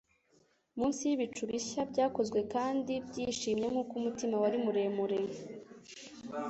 Munsi yibicu bishya byakozwe kandi byishimye nkuko umutima wari muremure,